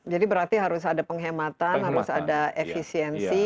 jadi berarti harus ada penghematan harus ada efisiensi